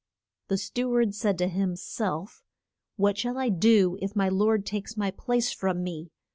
The stew ard said to him self, What shall I do if my lord takes my place from me?